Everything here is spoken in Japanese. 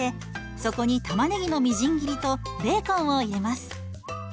そこに玉ねぎのみじん切りとベーコンを入れます。